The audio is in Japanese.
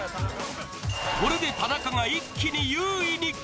これで田中が一気に優位に。